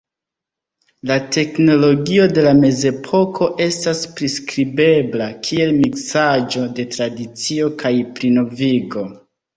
La teknologio de la Mezepoko estas priskribebla kiel miksaĵo de tradicio kaj plinovigo.